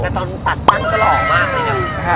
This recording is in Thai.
แต่ตอนตัดตั้งก็หล่อมากเลยนะ